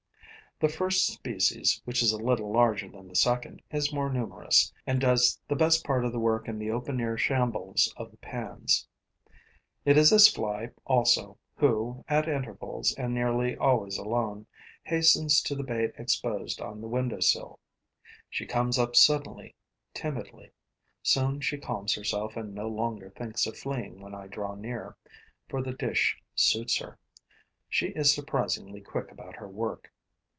The first species, which is a little larger than the second, is more numerous and does the best part of the work in the open air shambles of the pans. It is this fly also who, at intervals and nearly always alone, hastens to the bait exposed on the windowsill. She comes up suddenly, timidly. Soon she calms herself and no longer thinks of fleeing when I draw near, for the dish suits her. She is surprisingly quick about her work.